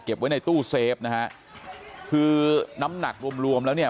ไว้ในตู้เซฟนะฮะคือน้ำหนักรวมรวมแล้วเนี่ย